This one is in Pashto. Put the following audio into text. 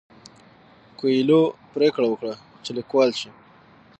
کویلیو پریکړه وکړه چې لیکوال شي.